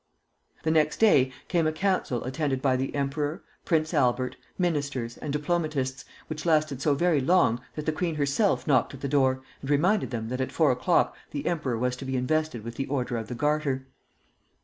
The next day came a council attended by the emperor, Prince Albert, ministers, and diplomatists, which lasted so very long that the queen herself knocked at the door and reminded them that at four o'clock the emperor was to be invested with the Order of the Garter.